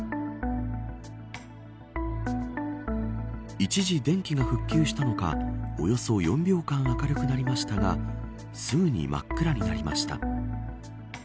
一時、電気が復旧したのかおよそ４秒間明るくなりましたがすぐに真っ暗になりました。